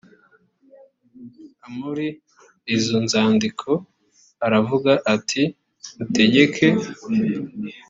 amuri izo nzandiko aravuga ati “mutegeke”